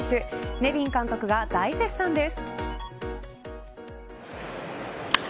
ネビン監督が大絶賛です。